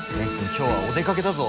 今日はお出かけだぞ。